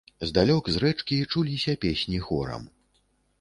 Здалёк, з рэчкі, чуліся песні хорам.